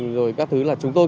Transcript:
rồi các thứ là chúng tôi